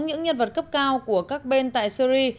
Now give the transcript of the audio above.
những nhân vật cấp cao của các bên tại syri